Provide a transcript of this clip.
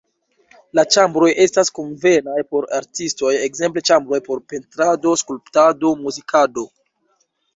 La ĉambroj estas konvenaj por artistoj, ekzemple ĉambroj por pentrado, skulptado, muzikado.